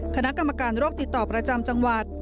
คณะกรรมการโรคติดต่อประจำจังหวัด